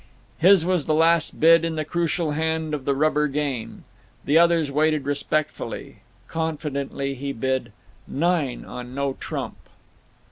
His was the last bid in the crucial hand of the rubber game. The others waited respectfully. Confidently, he bid "Nine on no trump."